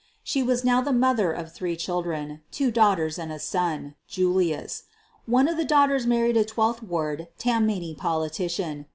She was now the mother of three children, two daughters and a son — Julius. One of the daughters married a Twelfth Ward Tammany politician.